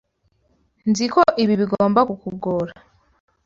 Nzi ko ibi bigomba kukugora.